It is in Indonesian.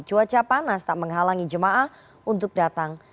cuaca panas tak menghalangi jemaah untuk datang